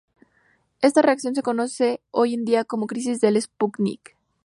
Esta reacción se conoce hoy en día como crisis del Sputnik.